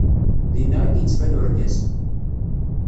Dinna i d-yettban urgaz.